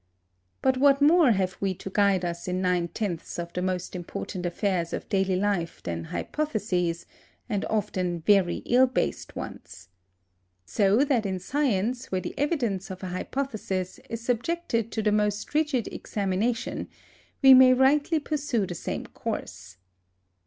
But what more have we to guide us in nine tenths of the most important affairs of daily life than hypotheses, and often very ill based ones? So that in science, where the evidence of an hypothesis is subjected to the most rigid examination, we may rightly pursue the same course.